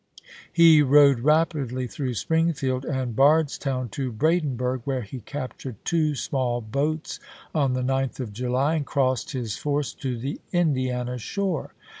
He rode rapidly through Springfield and Bardstownto Brandenburg, where he captured two small boats on the 9th of July, and crossed his force to the Indiana shore.